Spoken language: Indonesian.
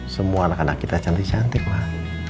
semua anak anak kita cantik cantik lah